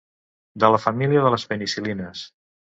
De la família de les penicil·lines.